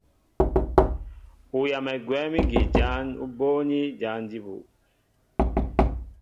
Ú yamɛ gwɛ̌m ígi jǎn ú bóóní jǎn jí bū.